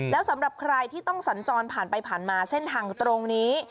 แล้วสำหรับใครที่ต้องสัญจรผ่านไปผ่านมาเส้นทางตรงนี้